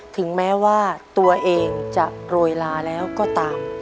ถึงแม้ว่าตัวเองจะโรยลาแล้วก็ตาม